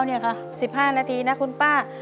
๑๕นาทีนะคุณป้า